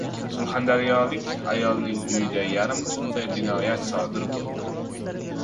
Surxondaryolik ayolning uyida yarim tunda jinoyat sodir bo‘ldi